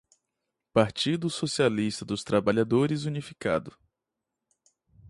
Partido socialista dos trabalhadores unificado